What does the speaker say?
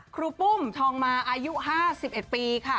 รูปุ้มทองมาอายุ๕๑ปีค่ะ